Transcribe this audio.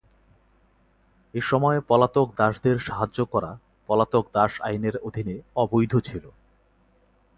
এ সময় পলাতক দাসদের সাহায্য করা পলাতক দাস আইনের অধীনে অবৈধ ছিল।